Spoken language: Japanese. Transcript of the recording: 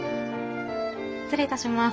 失礼いたします。